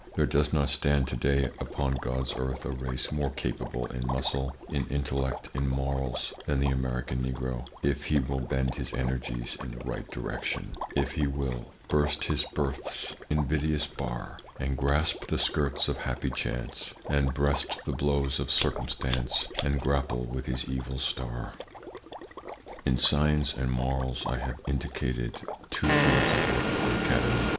There does not stand today upon God's earth a race more capable in muscle, in intellect, in morals, than the American Negro, if he will bend his energies in the right direction; if he will Burst his birth's invidious bar And grasp the skirts of happy chance, And breast the blows of circumstance, And grapple with his evil star. In science and morals, I have indicated two fields of work for the Academy.